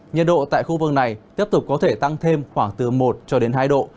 nhiệt độ tại khu vực này tiếp tục có thể tăng thêm khoảng từ một cho đến hai độ